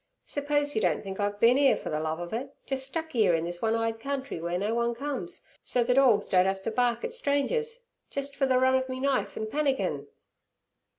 Serpose you don't think I've bin 'ere fer ther love ov it, jest stuck 'ere in this one eyed country w'ere no one comes, so ther dorgs don't 'ave ter bark at strangers, jest for the run ov me knife an' pannikin.'